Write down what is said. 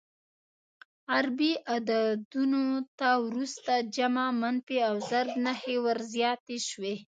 عربي عددونو ته وروسته جمع، منفي او ضرب نښې ور زیاتې شوې.